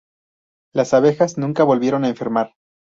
Las abejas nunca volvieron a enfermar.